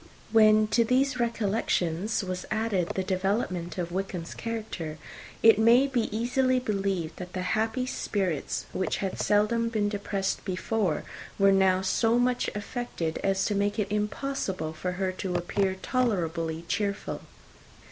When to these recollections was added the development of Wickham's character, it may be easily believed that the happy spirits which had seldom been depressed before were now so much affected as to make it almost impossible for her to appear tolerably cheerful.